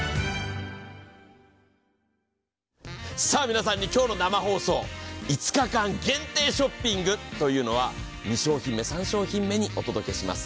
皆さんに今日の生放送、５日間限定ショッピングというのは２商品、３商品目にお届けします。